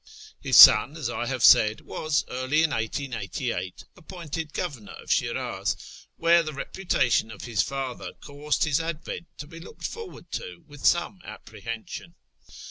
His son, as I have said, was, early in 1888, appointed Governor of Shfniz, where the reputaticjn of his father caused his advent to be looked forward to with some apprehension.